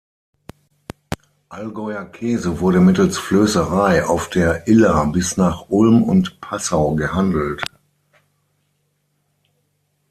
Allgäuer Käse wurde mittels Flößerei auf der Iller bis nach Ulm und Passau gehandelt.